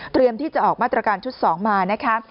ที่จะออกมาตรการชุด๒มานะคะ